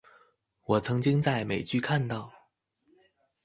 我曾經在美劇看到